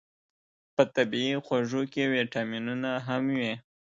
په طبیعي خوږو کې ویتامینونه هم وي.